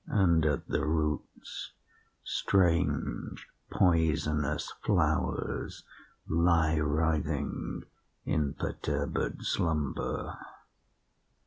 And at the roots strange poisonous flowers lie writhing in perturbed slumber.